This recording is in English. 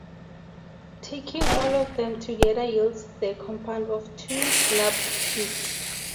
Taking all of them together yields the compound of two snub cubes.